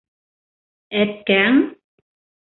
Әткәң?